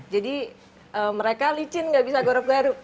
jadi mereka licin nggak bisa gorok gorok